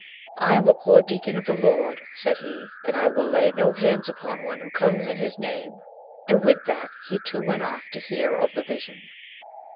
"I am a poor deacon of the Lord," said he, "and I will lay no hands upon one who comes in His name," and with that he, too, went off to hear of the vision.